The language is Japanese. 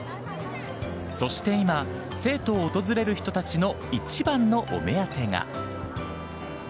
そして今、成都を訪れる人たちの一番のお目当てが。